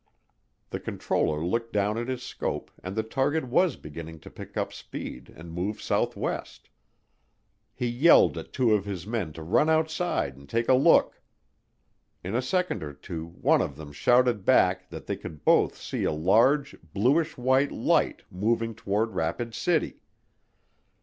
The controller looked down at his scope and the target was beginning to pick up speed and move southwest. He yelled at two of his men to run outside and take a look. In a second or two one of them shouted back that they could both see a large bluish white light moving toward Rapid City.